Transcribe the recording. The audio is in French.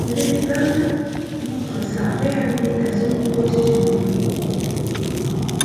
L'épilogue montre sa réhabilitation posthume.